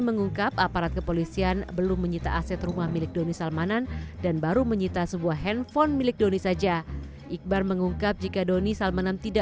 mungkin khususnya tim saya bareskrim polda